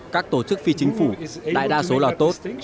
các tổ chức phi chính phủ đại đa số là tốt